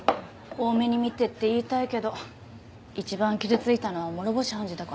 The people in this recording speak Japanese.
「大目に見て」って言いたいけど一番傷ついたのは諸星判事だからなあ。